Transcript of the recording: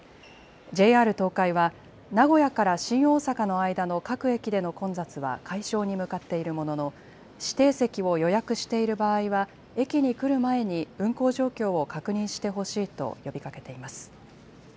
ＪＲ東海は名古屋から新大阪の間の各駅での混雑は解消に向かっているものの、指定席を予約している場合は、駅に来る前に運行状況を確認してほしいと呼びかけています。